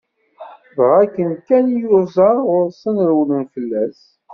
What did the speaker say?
Dɣa akken kan yuẓa ɣur-sen rewlen fell-as.